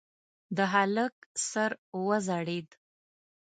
د هلک سر وځړېد.